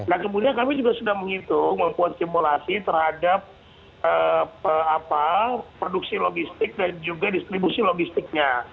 nah kemudian kami juga sudah menghitung membuat simulasi terhadap produksi logistik dan juga distribusi logistiknya